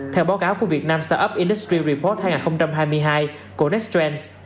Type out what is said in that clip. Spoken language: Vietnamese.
theo báo cáo của việt nam startup industry report hai nghìn hai mươi hai của nexttrends